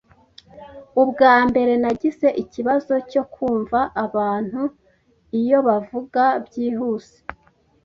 Ubwa mbere, nagize ikibazo cyo kumva abantu iyo bavuga byihuse.